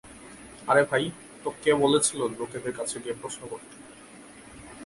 আরে ভাই, তো কে বলেছিল, লোকেদের কাছে গিয়ে প্রশ্ন করতে?